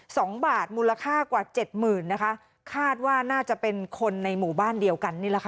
สองบาทมูลค่ากว่าเจ็ดหมื่นนะคะคาดว่าน่าจะเป็นคนในหมู่บ้านเดียวกันนี่แหละค่ะ